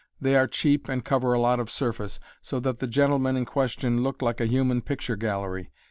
They are cheap and cover a lot of surface, so that the gentleman in question looked like a human picture gallery.